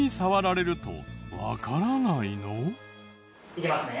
いきますね。